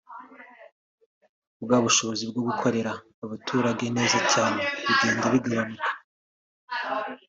bwa bushobozi bwo gukorera abaturage neza cyane bigenda bigabanuka